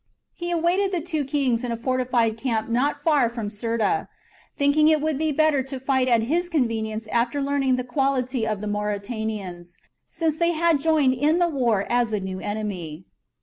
He awaited the two kings in a fortified camp not far from Cirta, thinking it would be better to fight at his convenience after learning the quality of the Mauritanians, since they had joined in the war as a new enemy.